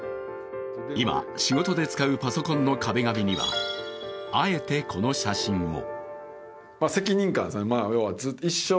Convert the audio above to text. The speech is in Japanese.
今、仕事で使うパソコンの壁紙にはあえてこの写真を。